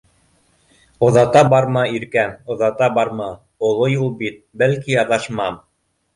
Оҙата барма, иркәм, оҙата барма, Оло юл бит, бәлки, аҙашмам